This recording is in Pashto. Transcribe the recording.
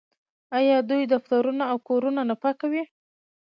آیا دوی دفترونه او کورونه نه پاکوي؟